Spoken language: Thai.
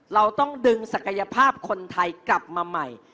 เราต้องดึงศักยภาพคนไทยกลับมาใหม่